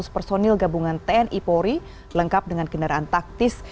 dua puluh lima ratus personil gabungan tni pori lengkap dengan kendaraan taktis